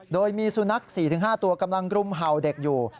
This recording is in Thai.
โดยมีสุนัข๔๕ตัวกำลังรุมเห่าเด็กอยู่